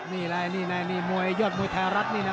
นี่แหละนี่มวยยอดมวยไทยรัฐนี่นะ